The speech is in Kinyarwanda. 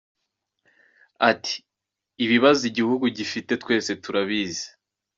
Ati “Ibibazo igihugu gifite twese turabizi.